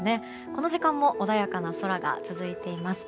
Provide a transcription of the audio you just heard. この時間も穏やかな空が続いています。